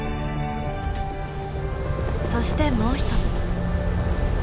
そしてもう一つ。